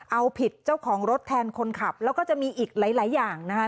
เอาผิดเจ้าของรถแทนคนขับแล้วก็จะมีอีกหลายอย่างนะคะ